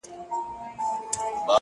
بس پښتونه چي لښکر سوې نو د بل سوې,